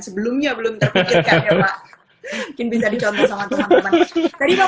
sebelumnya belum terpikirkan ya pak